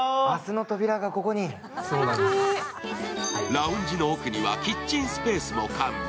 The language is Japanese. ラウンジの奥にはキッチンスペースも完備。